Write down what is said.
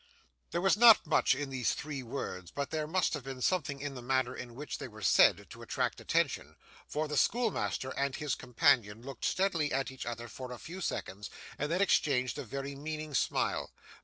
There was not much in these three words, but there must have been something in the manner in which they were said, to attract attention; for the schoolmaster and his companion looked steadily at each other for a few seconds, and then exchanged a very meaning smile.